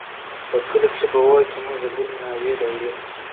په کلي کښې به ووايو چې موږ د بلې ناوې دايرې ته ځو.